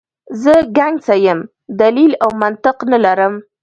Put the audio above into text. زه ګنګسه یم، دلیل او منطق نه لرم.